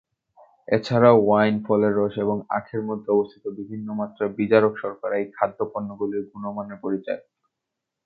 এছাড়াও, ওয়াইন, ফলের রস এবং আখের মধ্যে অবস্থিত বিভিন্ন মাত্রার বিজারক শর্করা এই খাদ্য পণ্যগুলির গুণমানের পরিচায়ক।